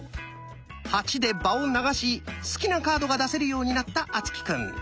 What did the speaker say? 「８」で場を流し好きなカードが出せるようになった敦貴くん。